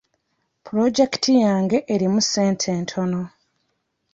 Pulojekiti yange erimu sente ntono.